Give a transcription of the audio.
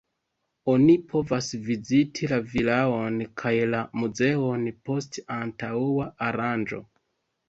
Oni povas viziti la vilaon kaj la muzeon post antaŭa aranĝo.